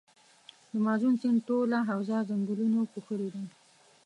د مازون سیند ټوله حوزه ځنګلونو پوښلي ده.